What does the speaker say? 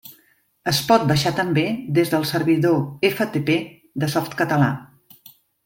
Es pot baixar també des del servidor FTP de Softcatalà.